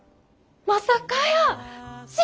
まさかやー！